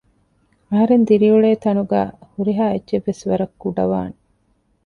އަހަރެން ދިރިއުޅޭ ތަނުގައި ހުރިހާ އެއްޗެއްވެސް ވަރަށް ކުޑަވާނެ